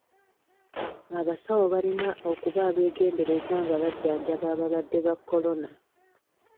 Abasawo balina okuba abeegendereza nga bajjanjaba abalwadde ba kolona.